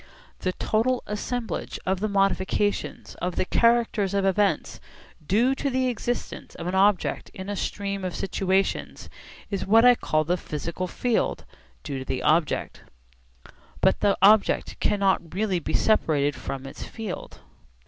The total assemblage of the modifications of the characters of events due to the existence of an object in a stream of situations is what I call the 'physical field' due to the object. But the object cannot really be separated from its field.